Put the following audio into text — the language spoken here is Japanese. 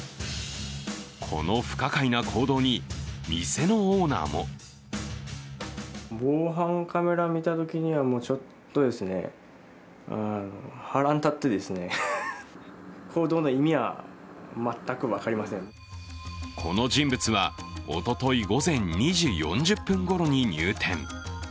この不可解な行動に店のオーナーもこの人物はおととい午前２時４０分ごろに入店。